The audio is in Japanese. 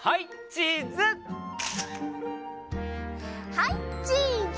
はいチーズ！